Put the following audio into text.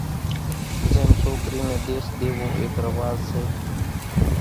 زيم سوڪرِي نين ۮيس ۮيوون ايڪ رواز سي۔